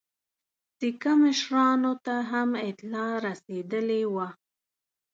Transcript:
سیکه مشرانو ته هم اطلاع رسېدلې وه.